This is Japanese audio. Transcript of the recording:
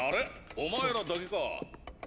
お前らだけか。